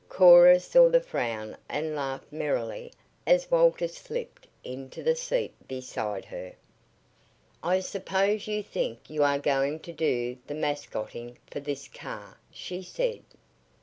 Cora saw the frown and laughed merrily as Walter slipped into the seat beside her. "I suppose you think you are going to do the mascoting for this car," she said.